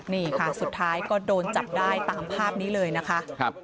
นี่ค่ะสุดท้ายก็โดนจับได้ตามภาพนี้เลยนะคะ